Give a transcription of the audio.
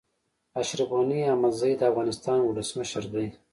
اشرف غني احمدزی د افغانستان ولسمشر دی